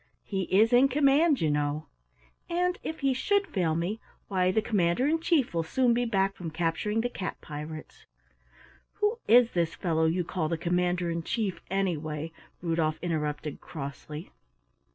He is in command, you know. And if he should fail me, why the Commander in Chief will soon be back from capturing the cat pirates." "Who is this fellow you call the Commander in Chief, anyway?" Rudolf interrupted crossly.